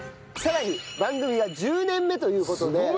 さらに番組が１０年目という事で。